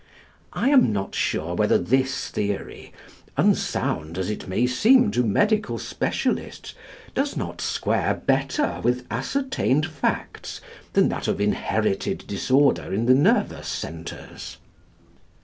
I am not sure whether this theory, unsound as it may seem to medical specialists, does not square better with ascertained facts than that of inherited disorder in the nervous centres.